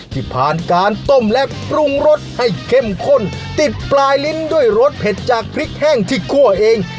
ที่ผ่านการต้มและปรุงรสให้เข้มข้นติดปลายลิ้นด้วยรสเผ็ดจากพริกแห้งที่คั่วเอง